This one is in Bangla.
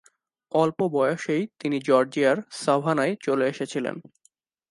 অল্প বয়সেই তিনি জর্জিয়ার সাভানায় চলে এসেছিলেন।